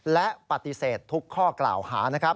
และปฏิเสธทุกข้อกล่าวหานะครับ